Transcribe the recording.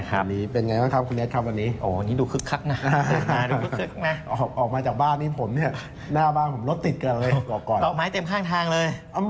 ถ้าเราเทียบคนจีนเรียกวันจ่ายนะ